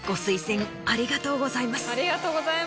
ありがとうございます。